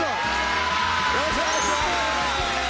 よろしくお願いします！